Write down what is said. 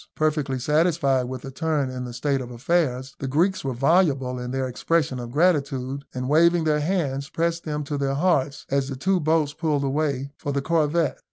Perfectly satisfied with this turn in the state of affairs, the Greeks were voluble in their expression of gratitude, and waving their hands, pressed them to their hearts, as the two boats pulled away for the corvette.